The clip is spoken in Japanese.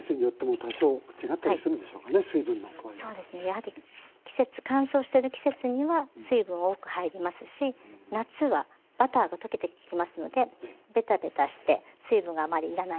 やはり乾燥してる季節には水分多く入りますし夏はバターが溶けてきますのでベタベタして水分があまりいらない感じです。